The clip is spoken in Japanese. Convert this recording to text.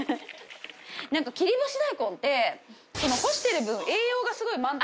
なんか切り干し大根って干してる分栄養がすごい満点。